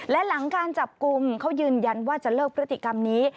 และหลังการจับกลุ่มเขายืนยันว่าจะเลิกพฤติกรรมนี้